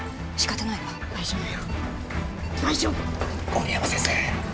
森山先生！